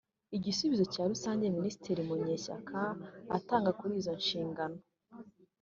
Igisubizo cya rusange Minisitiri Munyeshyaka atanga kuri izo nshingano